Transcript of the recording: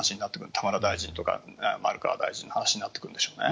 田村大臣とか丸川大臣の話になってくるんでしょうね。